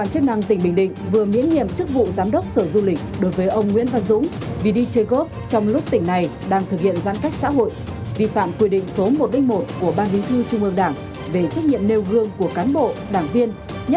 hãy đăng ký kênh để ủng hộ kênh của chúng mình nhé